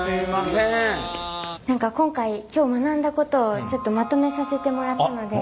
何か今回今日学んだことをちょっとまとめさせてもらったので。